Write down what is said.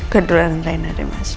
kedua ngerenade mas